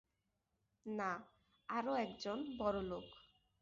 না, আরো একজন বড়ো লোক।